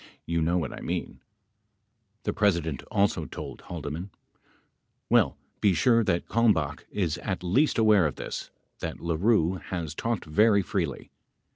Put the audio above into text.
Y ou know what I mean , 43 [Emphasis added.] The President also told Haldeman : Well, be sure that Kalmbach is at least aware of this, that LaRue has talked very freely.